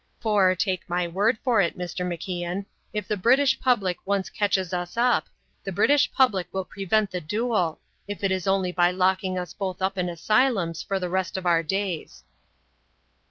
For, take my word for it, Mr. MacIan, if the British Public once catches us up, the British Public will prevent the duel, if it is only by locking us both up in asylums for the rest of our days."